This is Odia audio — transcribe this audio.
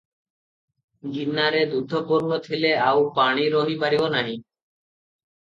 ଗିନାରେ ଦୁଧ ପୂର୍ଣ୍ଣ ଥିଲେ ଆଉ ପାଣି ରହି ପାରିବ ନାହିଁ ।